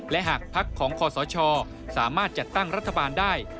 และหากภักดิ์ของคอสชสามารถจัดตั้งรัฐบาลได้